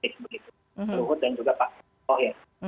luhut dan juga pak thohir